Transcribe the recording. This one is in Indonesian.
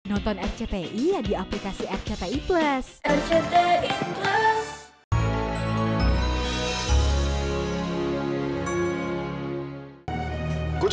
nonton rcti ya di aplikasi rcti plus